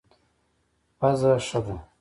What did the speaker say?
پزه ښه ده.